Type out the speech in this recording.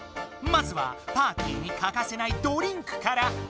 まずはパーティーにかかせないドリンクから。